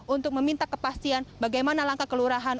untuk meminta kepastian bagaimana langkah kelurahan